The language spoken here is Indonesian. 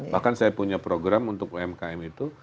bahkan saya punya program untuk umkm itu